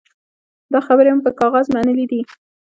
دا خبرې مو پر کاغذ منلي دي.